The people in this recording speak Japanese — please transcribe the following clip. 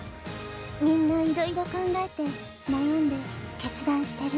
みんないろいろ考えて悩んで決断してる。